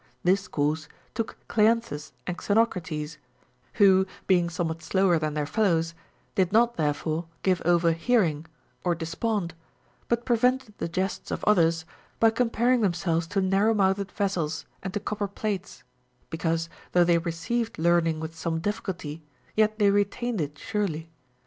This course took Cleanthes and Xenocrates, who being somewhat slower than their fellows did not therefore give over hearing or despond ; but prevented the jests of others, by comparing themselves to narrow mouthed vessels and to copper plates ; because, though they received learning with some difficulty, yet they retained it surely.